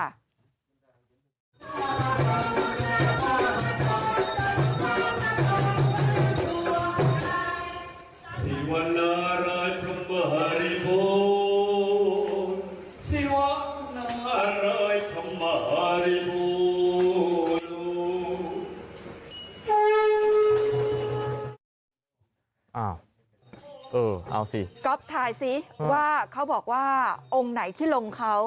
อ้าวเออเอาสิก็ถ่ายสิว่าเขาบอกว่าองค์ไหนที่ลงเขา